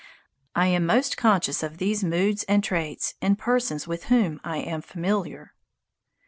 I am most conscious of these moods and traits in persons with whom I am familiar.